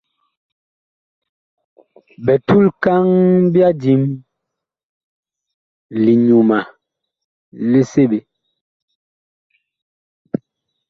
Bitulkaŋ ɓya dim; liŋyuma li seɓe.